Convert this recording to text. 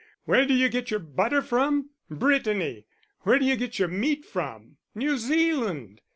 Where do you get your butter from? Brittany! Where d'you get your meat from? New Zealand!"